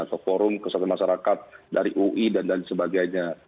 atau forum kesehatan masyarakat dari ui dan lain sebagainya